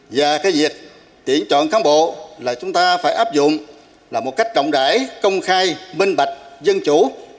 và việc tiễn chọn cán bộ chúng ta phải áp dụng một cách rộng rãi công khai minh bạch dân chủ